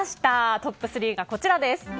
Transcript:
トップ３がこちら。